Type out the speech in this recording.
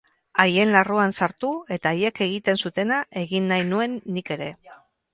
Haien larruan sartu eta haiek egiten zutena egin nahi nuen nik ere.